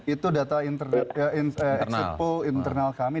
itu data internal kami